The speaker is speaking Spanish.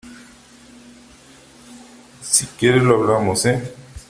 si quieres lo hablamos ,¿ eh ?